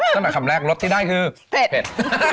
ตั้งแต่คำแรกรสที่ได้คือเผ็ด